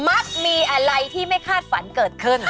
มักมีอะไรที่ไม่คาดฝันเกิดขึ้น